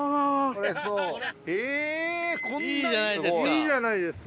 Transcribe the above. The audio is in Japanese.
・これそう・いいじゃないですか。